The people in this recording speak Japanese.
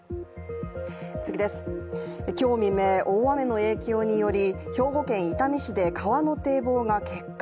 今日未明、大雨の影響により兵庫県伊丹市で川の堤防が決壊。